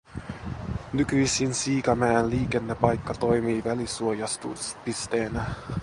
Nykyisin Siikamäen liikennepaikka toimii välisuojastuspisteenä